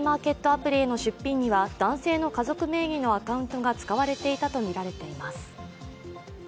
アプリへの出品には男性の家族名義のアカウントが使われていたとみられています。